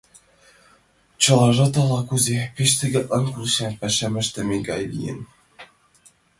Чылажат ала-кузе пеш тыглайын, кӱлешан пашам ыштыме гай лийын.